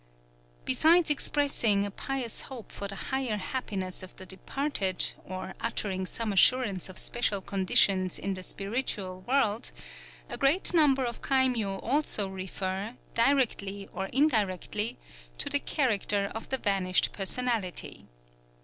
Besides expressing a pious hope for the higher happiness of the departed, or uttering some assurance of special conditions in the spiritual world, a great number of kaimyō also refer, directly or indirectly, to the character of the vanished personality.